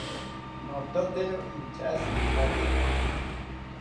Nototero inchashi jawiriki